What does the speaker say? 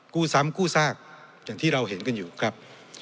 กู้ซ้ำกู้ซากอย่างที่เราเห็นกันอยู่ครับ